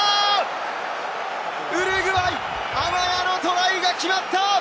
ウルグアイ、アマヤのトライが決まった！